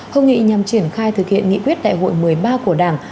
hội nghị nhằm triển khai thực hiện nghị quyết đại hội một mươi ba của đảng